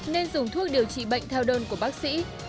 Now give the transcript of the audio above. nên dùng thuốc điều trị bệnh theo đơn của bác sĩ